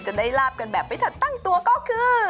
ได้ลาบกันแบบไม่ทันตั้งตัวก็คือ